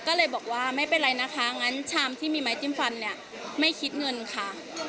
ก็เลยบอกว่าไม่เป็นไรนะคะงั้นชามที่มีไม้จิ้มฟันเนี่ยไม่คิดเงินค่ะ